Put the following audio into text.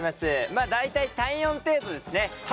まあ大体体温程度ですね。